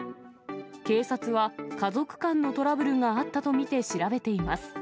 警察は家族間のトラブルがあったと見て調べています。